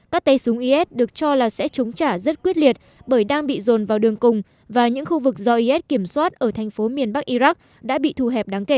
các tay súng is được cho là sẽ chống trả rất quyết liệt bởi đang bị dồn vào đường cùng và những khu vực do is kiểm soát ở thành phố miền bắc iraq đã bị thu hẹp đáng kể